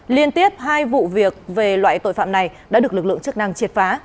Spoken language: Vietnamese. liên tiếp hai vụ việc về loại tội phạm này đã được lực lượng chức năng triệt phá